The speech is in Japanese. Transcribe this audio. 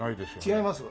違います。